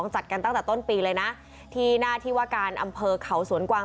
จัดกันตั้งแต่ต้นปีเลยนะที่หน้าที่ว่าการอำเภอเขาสวนกวาง